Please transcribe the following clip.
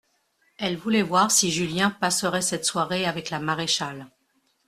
Elle voulait voir si Julien passerait cette soirée avec la maréchale.